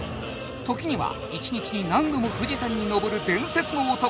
時には１日に何度も富士山に登る伝説の男